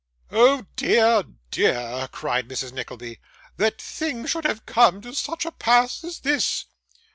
'Oh dear, dear!' cried Mrs. Nickleby, 'that things should have come to such a pass as this!